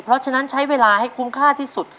เพราะฉะนั้นใช้เวลาให้คุ้มค่าที่สุด